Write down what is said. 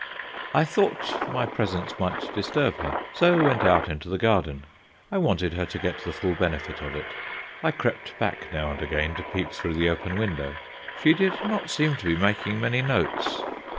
I thought my presence might disturb her, so went out into the garden. I wanted her to get the full benefit of it. I crept back now and again to peep through the open window. She did not seem to be making many notes.